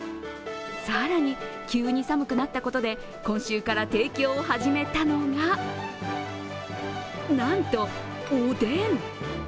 更に、急に寒くなったことで今週から提供を始めたのが、なんと、おでん。